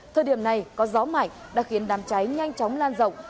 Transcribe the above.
thời điểm này có gió mạnh đã khiến đám cháy nhanh chóng lan rộng